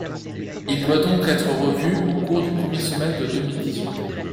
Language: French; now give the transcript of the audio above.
Il doit donc être revu au cours du premier semestre de deux mille dix-huit.